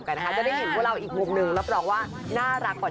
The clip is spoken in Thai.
คอยกับพี่แจ๊คตีคู่กันมาเลย